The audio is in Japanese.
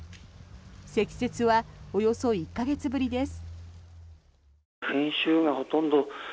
積雪はおよそ１か月ぶりです。